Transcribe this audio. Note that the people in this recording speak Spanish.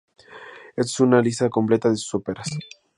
Esta es una lista completa de sus óperas.